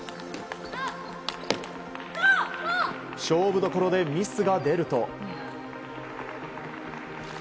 勝負どころでミスが出ると。